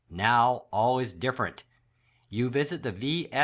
Now all is different. You visit the V.